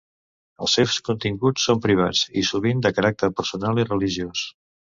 Els seus continguts són privats, i sovint de caràcter personal i religiós.